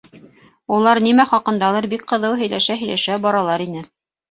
Улар нимә хаҡындалыр бик ҡыҙыу һөйләшә-һөйләшә баралар ине.